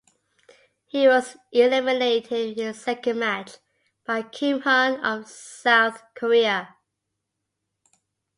He was eliminated in his second match by Kim Hun of South Korea.